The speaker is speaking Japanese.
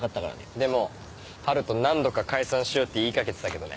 でも春斗何度か「解散しよう」って言いかけてたけどね。